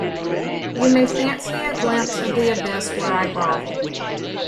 You may fancy a glimpse of the abyss where I grovelled!